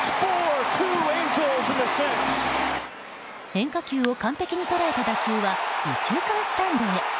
変化球を完璧に捉えた打球は右中間スタンドへ。